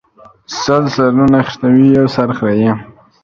سل سرونه خشتوي ، يو سر خريي